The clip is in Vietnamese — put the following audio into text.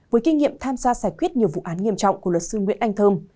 với kinh nghiệm tham gia giải quyết nhiều vụ án nghiêm trọng của luật sư nguyễn anh thơm